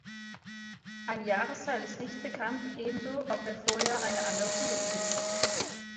Eine Jahreszahl ist nicht bekannt, ebenso ob er vorher eine andere Schule besucht hat.